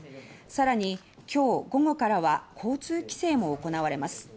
さらに、きょう午後からは交通規制も行われます。